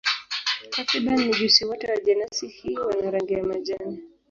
Takriban mijusi wote wa jenasi hii wana rangi ya majani.